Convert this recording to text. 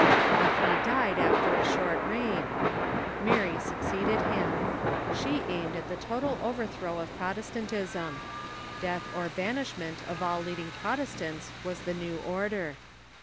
But he died after a short reign. Mary succeeded him. She aimed at the total overthrow of Protestantism. Death or banishment of all leading Protestants was the new order.